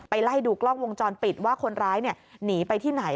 ไล่ดูกล้องวงจรปิดว่าคนร้ายหนีไปที่ไหน